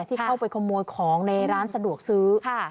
ที่เข้าไปขโมยของในร้านสะดวกซื้อ